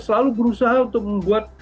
selalu berusaha untuk membuat